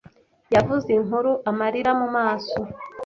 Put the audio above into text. Yavuze inkuru amarira mumaso.